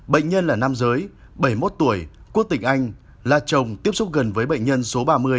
bệnh nhân là nam giới bảy mươi một tuổi quốc tịch anh là chồng tiếp xúc gần với bệnh nhân số ba mươi